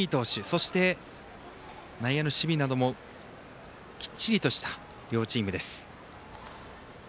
そして、内野の守備などもきっちりとした両チームです。